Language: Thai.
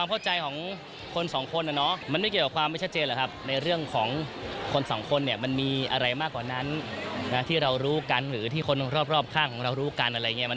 มันเป็นเรื่องของคุณหรอครับ